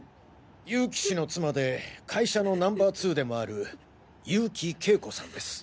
結城氏の妻で会社のナンバー２でもある結城景子さんです。